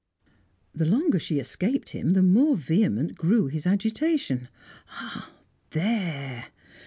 The longer she escaped him, the more vehement grew his agitation. Ah, there!